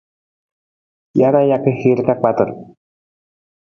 Jaraa jaka hiir ka kpatar.